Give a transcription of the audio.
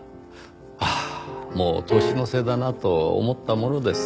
ああもう年の瀬だなと思ったものです。